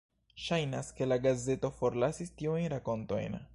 Ŝajnas ke la gazeto forlasis tiujn rakontojn.